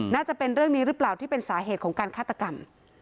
น่าจะเป็นเรื่องนี้หรือเปล่าที่เป็นสาเหตุของการฆาตกรรม